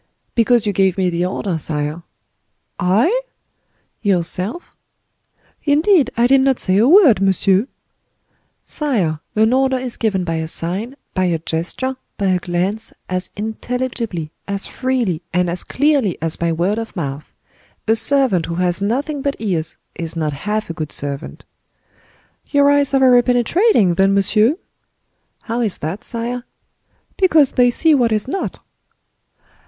'" "Because you gave me the order, sire." "I?" "Yourself." "Indeed, I did not say a word, monsieur." "Sire, an order is given by a sign, by a gesture, by a glance, as intelligibly, as freely, and as clearly as by word of mouth. A servant who has nothing but ears is not half a good servant." "Your eyes are very penetrating, then, monsieur." "How is that, sire?" "Because they see what is not."